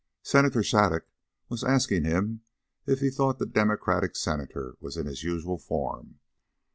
Senator Shattuc was asking him if he thought the Democratic Senator was in his usual form.